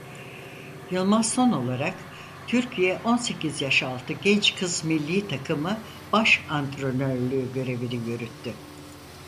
Yılmaz son olarak Türkiye on sekiz Yaş Altı Genç Kız Milli Takımı başantrenörlüğü görevini yürüttü.